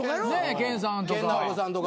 研さんとか。